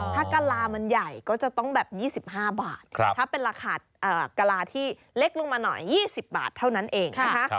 ถ้ากะลามันใหญ่ก็จะต้องแบบ๒๕บาทถ้าเป็นราคากะลาที่เล็กลงมาหน่อย๒๐บาทเท่านั้นเองนะคะ